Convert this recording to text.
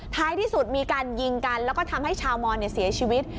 ท้ายที่สุดมีการยิงกันแล้วก็ทำให้ชาวมอนเสียชีวิต